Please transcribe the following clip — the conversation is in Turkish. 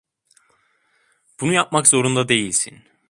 Bunu yapmak zorunda değilsin.